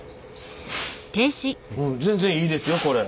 全然いいですよこれ。